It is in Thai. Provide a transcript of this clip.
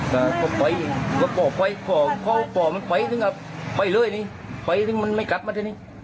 ก็ไปพ่อมันไปซึ่งก็ไปเลยนี่ไปซึ่งมันไม่กลับมาที่นี่